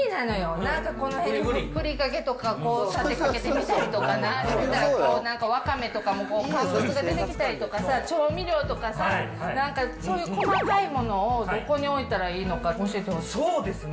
なんかこの辺にふりかけとか立てかけてみたりとかな、なんかこう、ワカメとかも、乾物とかが出てきたりとか、調味料とかさ、なんかそういう細かいものをどこに置いたらいいのか教えてほしいそうですね。